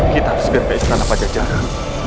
kita harus berpikir tanah pada jarak